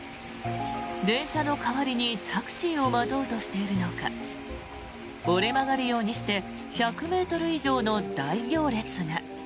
電車の代わりにタクシーを待とうとしているのか折れ曲がるようにして１００ｍ以上の大行列が。